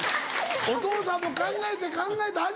お父さんも考えて考えた挙げ句